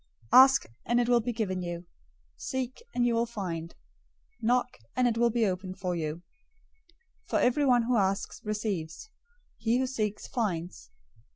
007:007 "Ask, and it will be given you. Seek, and you will find. Knock, and it will be opened for you. 007:008 For everyone who asks receives. He who seeks finds.